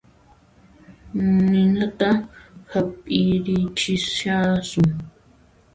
Ninata hap'irichishasun